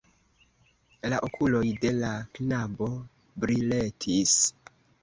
La okuloj de la knabo briletis.